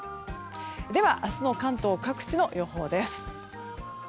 では明日の関東各地の予報です。